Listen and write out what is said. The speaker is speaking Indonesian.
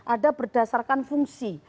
ada berdasarkan fungsi